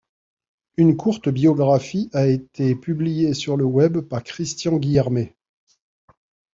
Une courte biographie a été publiée sur le web par Christian Guillermet.